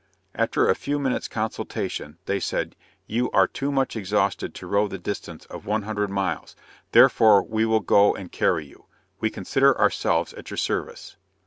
After a few minutes consultation, they said "you are too much exhausted to row the distance of one hundred miles, therefore we will go and carry you we consider ourselves at your service."